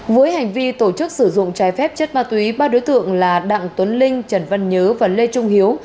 với hành vi tổ chức sử dụng trái phép chất ma túy ba đối tượng là đặng tuấn linh trần văn nhớ và lê trung hiếu